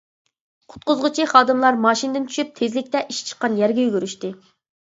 قۇتقۇزغۇچى خادىملار ماشىنىدىن چۈشۈپ تېزلىكتە ئىش چىققان يەرگە يۈگۈرۈشتى.